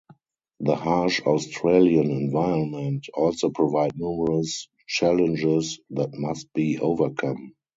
The harsh Australian environment also provide numerous challenges that must be overcome.